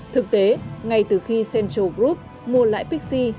thực tế ngay từ khi central group mua lãi pixi